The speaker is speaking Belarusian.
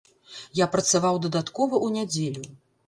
Я працаваў дадаткова ў нядзелю.